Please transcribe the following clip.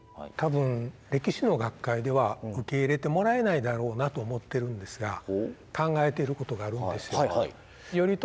多分歴史の学会では受け入れてもらえないだろうなと思ってるんですが考えてることがあるんですよ。